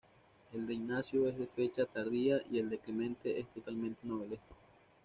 El de Ignacio es de fecha tardía, y el de Clemente es totalmente novelesco.